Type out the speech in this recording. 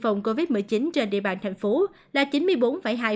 phòng covid một mươi chín trên địa bàn thành phố